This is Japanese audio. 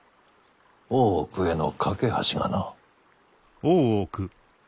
大奥への懸け橋がな。